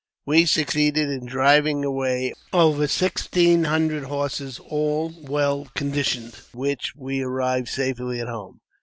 We succeeded in driving away over sixteen hundred horses, all well conditioned, with which we arrived safely at home.